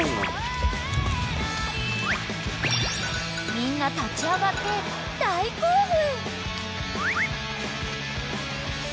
［みんな立ち上がって大興奮］